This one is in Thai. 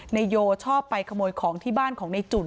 นายโยชอบไปขโมยของที่บ้านของในจุ่น